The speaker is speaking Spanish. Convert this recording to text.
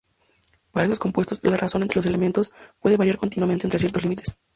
Para estos compuestos, la razón entre los elementos puede variar continuamente entre ciertos límites.